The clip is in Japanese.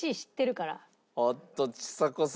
おっとちさ子さん